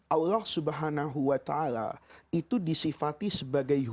allah subhanahu wa ta'ala itu disifati sebagai